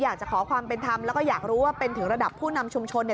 อยากจะขอความเป็นธรรมแล้วก็อยากรู้ว่าเป็นถึงระดับผู้นำชุมชนเนี่ย